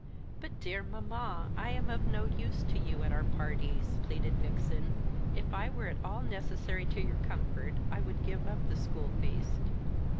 "But, dear mamma, I am of no use to you at our parties," pleaded Vixen; "if I were at all necessary to your comfort I would give up the school feast."